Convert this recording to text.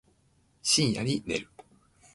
深夜に寝る